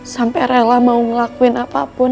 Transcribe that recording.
sampai rela mau ngelakuin apapun